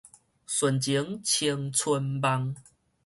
純情青春夢